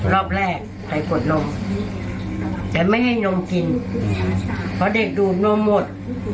รอบแรกไปกดนมแต่ไม่ให้นมกินเพราะเด็กดูดนมหมด